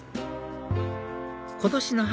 今年の春